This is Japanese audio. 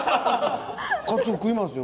「カツオ食いますよ。